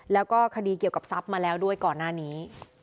แล้วก็คดีเกี่ยวกับทรัพย์มาแล้วด้วยก่อนหน้านี้